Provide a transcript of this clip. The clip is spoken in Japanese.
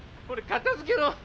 これ片づけろ